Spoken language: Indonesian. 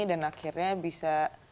dan akhirnya bisa kita pake